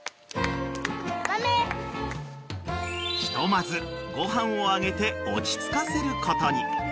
［ひとまずご飯をあげて落ち着かせることに］